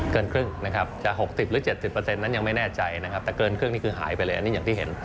เกินครึ่งนะครับจะ๖๐หรือ๗๐นั้นยังไม่แน่ใจนะครับแต่เกินครึ่งนี่คือหายไปเลยอันนี้อย่างที่เห็น